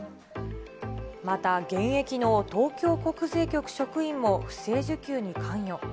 また現役の東京国税局職員も不正受給に関与。